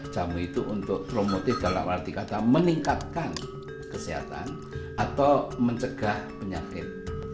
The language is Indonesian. jamu itu untuk promotif dalam arti kata meningkatkan kesehatan atau mencegah penyakit